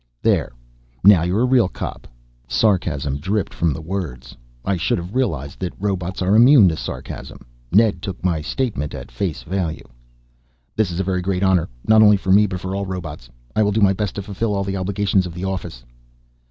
"There, now you are a real cop." Sarcasm dripped from the words. I should have realized that robots are immune to sarcasm. Ned took my statement at face value. "This is a very great honor, not only for me but for all robots. I will do my best to fulfill all the obligations of the office."